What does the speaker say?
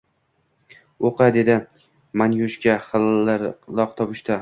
Oʻqi! – dedi Manyushka xirilloq tovushda.